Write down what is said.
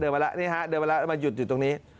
มาแล้วนี่ฮะเดินมาแล้วมาหยุดอยู่ตรงนี้